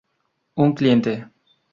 Un cliente!